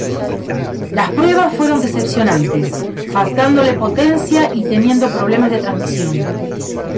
Las pruebas fueron decepcionantes, faltándole potencia y teniendo problemas de transmisión.